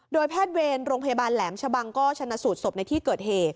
แพทย์เวรโรงพยาบาลแหลมชะบังก็ชนะสูตรศพในที่เกิดเหตุ